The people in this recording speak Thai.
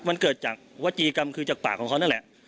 มันเกิดจากวัจจัยกรรมคือจากปากของเขานั่นแหละ